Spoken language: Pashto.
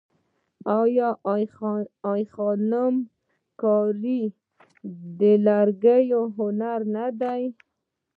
آیا خاتم کاري د لرګیو هنر نه دی؟